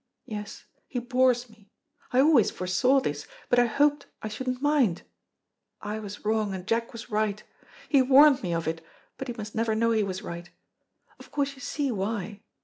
Yes, he bores me. I always foresaw this, but I hoped I shouldn't mind. I was wrong and Jack was right. He warned me of it, but he must never know he was right. Of course you see why.